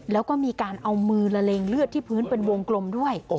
แล้วก็มีการเอามือละเลงเลือดที่พื้นเป็นวงกลมด้วย